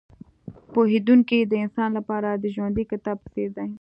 پوهېدونکی د انسان لپاره د ژوندي کتاب په څېر دی.